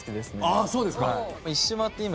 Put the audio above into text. あそうですか。